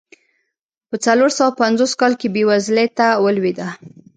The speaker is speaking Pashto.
په څلور سوه پنځوس کال کې بېوزلۍ ته ولوېده.